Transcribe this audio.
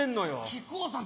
木久扇さん